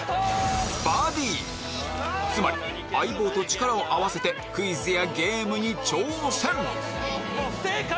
バディつまり相棒と力を合わせてクイズやゲームに挑戦正解！